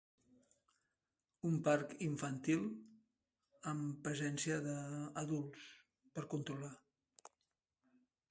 Un parc infantil amb presència d'adults, per controlar.